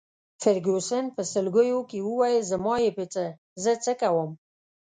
فرګوسن په سلګیو کي وویل: زما يې په څه، زه څه کوم.